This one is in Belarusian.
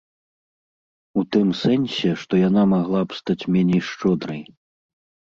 У тым сэнсе, што яна магла б стаць меней шчодрай.